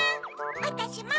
わたしも。